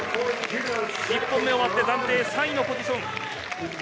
１本目終わって、暫定３位のポジション。